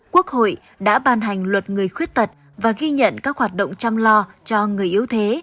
quốc hội đã ban hành luật người khuyết tật và ghi nhận các hoạt động chăm lo cho người yếu thế